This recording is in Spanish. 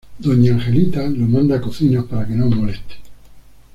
Doña Angelita lo manda a cocinas para que no moleste.